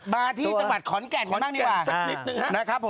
มาที่จังหวัดขอนแก่นได้เป็นบ้างดีกว่า